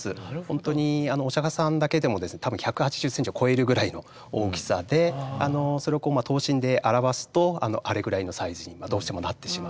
ほんとにお釈迦様だけでも多分１８０センチを超えるぐらいの大きさでそれを等身で表すとあれぐらいのサイズにどうしてもなってしまう。